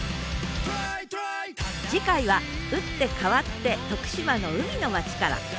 次回は打って変わって徳島の海の町から。